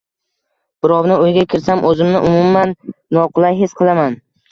Birovni uyiga kirsam oʻzimni umuman noqulay his qilaman.